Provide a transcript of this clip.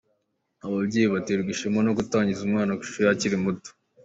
Ababyeyi baterwa ishema no gutangiza umwana ishuri akiri muto.